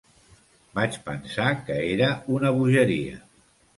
Vaig pensar que era una bogeria.